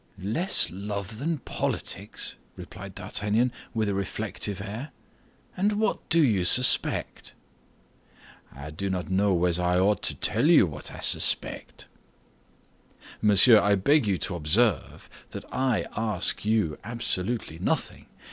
"Less love than politics," replied D'Artagnan, with a reflective air; "and what do you suspect?" "I do not know whether I ought to tell you what I suspect." "Monsieur, I beg you to observe that I ask you absolutely nothing.